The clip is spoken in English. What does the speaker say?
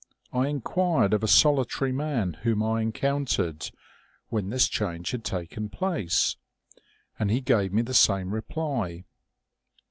I inquired of a solitary man whom I encountered, when this change had taken place ; and he gave me the same reply.